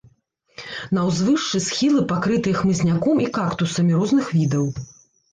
На ўзвышшы схілы пакрытыя хмызняком і кактусамі розных відаў.